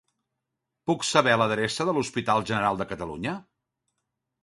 Puc saber l'adreça de l'Hospital General de Catalunya?